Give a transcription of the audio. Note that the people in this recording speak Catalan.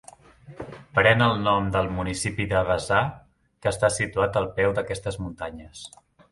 Pren el nom del municipi de Baza que està situat al peu d'aquestes muntanyes.